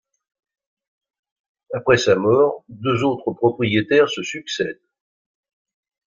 Après sa mort, deux autres propriétaires se succèdent.